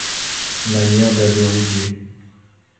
Manière d'adorer Dieu.